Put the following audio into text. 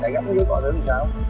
thầy gặp dưới coi đứa làm sao